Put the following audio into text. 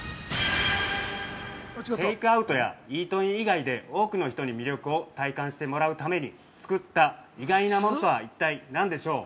◆テイクアウトやイートイン以外で多くの人に魅力を体感してもらうために作った意外なものとは一体、何でしょう。